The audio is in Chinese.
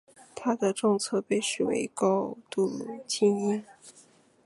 他的政策被视为高度亲英。